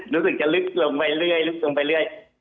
รู้สึกจะลึกลงไปเรื่อย